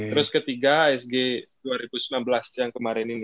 terus ketiga isg dua ribu sembilan belas yang kemarin ini